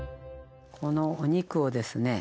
このお肉をですね